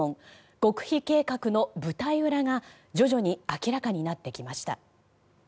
極秘計画の舞台裏が徐々に明らかになってきました。